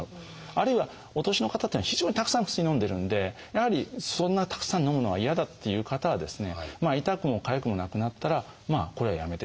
あるいはお年の方っていうのは非常にたくさん薬のんでるんでやはりそんなにたくさんのむのは嫌だっていう方はですね痛くもかゆくもなくなったらこれはやめてしまう。